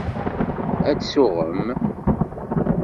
Ad tsuɣem.